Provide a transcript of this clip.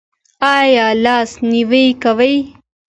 ایا لاس نیوی کوئ؟